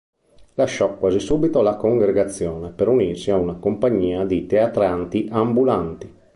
Lasciò quasi subito la congregazione per unirsi a una compagnia di teatranti ambulanti.